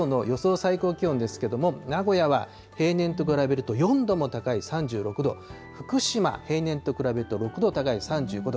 最高気温ですけれども、名古屋は平年と比べると４度も高い３６度、福島、平年と比べると６度高い３５度。